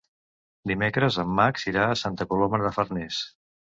Dimecres en Max irà a Santa Coloma de Farners.